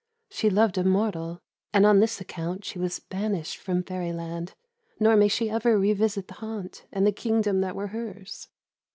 She loved a mortal, and on this account she was banished from Fairyland, nor may she ever revisit the haunt and the kingdom that were hers.